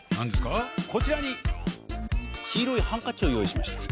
こちらにきいろいハンカチをよういしました。